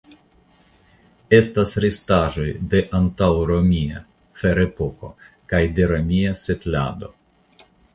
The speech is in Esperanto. Estas restaĵoj de antaŭromia (ferepoko) kaj de romia setlado.